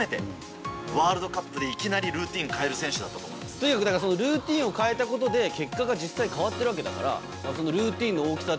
とにかくルーティンを変えたことで結果が実際に変わっているわけだから。